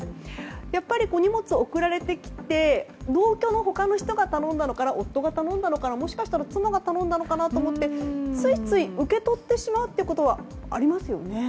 やっぱり荷物が送られてきて同居の人や他の人夫が頼んだのかなもしかしたら妻が頼んだのかなとついつい受け取ってしまうこともありますよね。